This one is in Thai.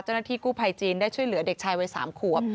เจ้าหน้าที่กู้ภัยจีนได้ช่วยเหลือเด็กชายวัย๓ขวบ